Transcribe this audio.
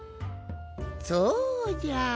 そうじゃ。